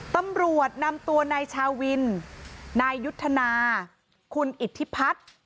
ตำรวจนำตัวนายชาวินนายยุทธนาคุณอิทธิพัฒน์